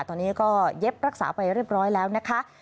ตอนนี้ก็เย็บรักษาไปเรียบร้อยแล้วนะคะ